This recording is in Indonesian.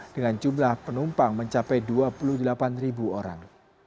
dengan jumlah penumpang mencapai dua puluh delapan ribu orang